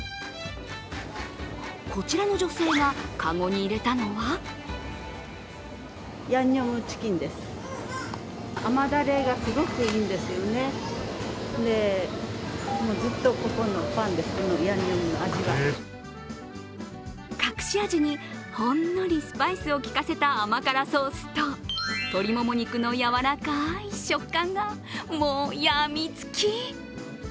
こちらの女性が籠に入れたのは隠し味にほんのりスパイスを効かせた甘辛ソースと鶏もも肉の柔らかい食感がもう病みつき。